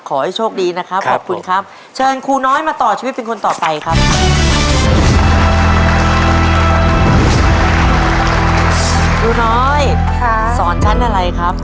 ขอให้โชคดีนะครับขอบคุณครับ